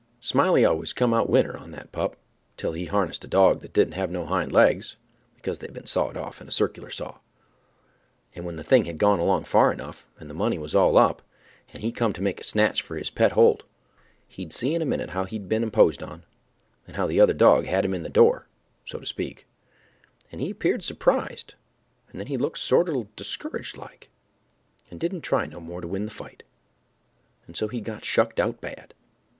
Smiley always come out winner on that pup, till he harnessed a dog once that didn't have no hind legs, because they'd been sawed off in a circular saw, and when the thing had gone along far enough, and the money was all up, and he come to make a snatch for his pet holt, he see in a minute how he'd been imposed on, and how the other dog had him in the door, so to speak, and he 'peared surprised, and then he looked sorter discouraged like, and didn't try no more to win the fight, and so he got shucked out bad.